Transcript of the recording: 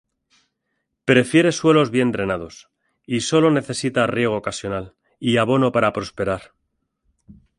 Prefiere suelos bien drenados y solo necesita riego ocasional y abono para prosperar.